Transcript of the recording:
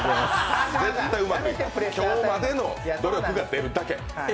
今日までの努力が出るだけ。